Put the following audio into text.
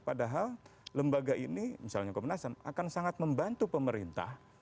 padahal lembaga ini misalnya komnasam akan sangat membantu pemerintah